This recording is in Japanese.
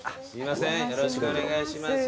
よろしくお願いします。